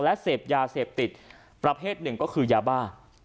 และเสพยาเสพติดประเภทหนึ่งก็คือยาบ้า